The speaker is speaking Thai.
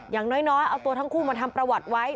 อย่างน้อยเอาตัวทั้งคู่มาทำประวัติไว้